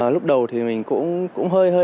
lúc đầu thì mình cũng hơi đắn đo mình cũng tìm hiểu